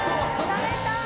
食べたーい！